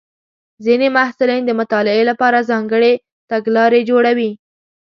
ځینې محصلین د مطالعې لپاره ځانګړې تګلارې جوړوي.